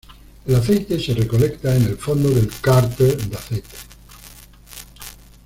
El aceite se recolecta en el fondo del cárter de aceite.